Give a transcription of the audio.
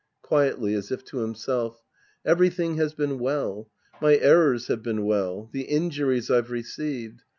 {Quietly, as if to himself^ Every thing has been well. My errors have been well. The injuries I've received.